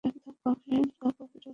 ধর এক cup coffee টেবিলে রাখা হল।